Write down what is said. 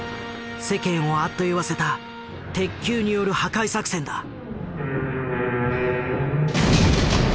世間をあっと言わせた鉄球による破壊作戦だ。